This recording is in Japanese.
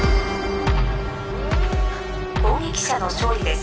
攻撃者の勝利です。